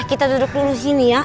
kita duduk dulu sini ya